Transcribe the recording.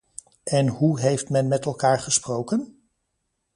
En hoe heeft men met elkaar gesproken?